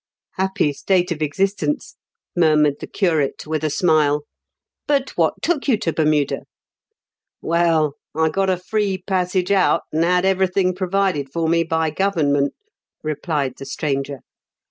" Happy state of existence !" murmured 124 m KENT WITH CHAELE8 DICKENS. the curate, with a smile. " But what took you to Bermuda?" " Well, I got a free passage out, and had everything provided for me by Government," replied the stranger.